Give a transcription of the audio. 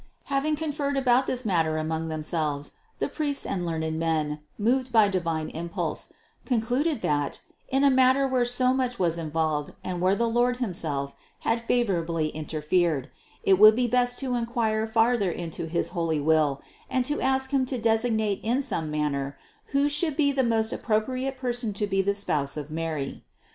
747. Having conferred about this matter among themselves the priests and learned men, moved by divine impulse, concluded that, in a matter where so much was involved and where the Lord himself had favorably in terfered, it would be best to inquire farther into his holy will and to ask Him to designate in some manner who should be the most appropriate person to be the spouse of Mary.